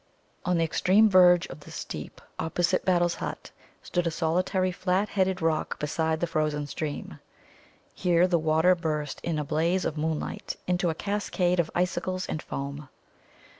On the extreme verge of the steep, opposite Battle's hut, stood a solitary flat headed rock beside the frozen stream. Here the water burst in a blaze of moonlight into a cascade of icicles and foam.